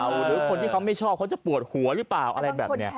หรือคนที่เขาไม่ชอบเขาจะปวดหัวหรือเปล่าอะไรแบบนี้